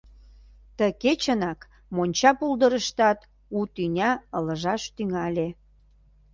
Ты кечынак монча пулдырыштат у тӱня ылыжаш тӱҥале.